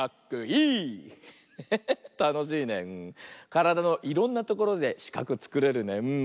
からだのいろんなところでしかくつくれるね。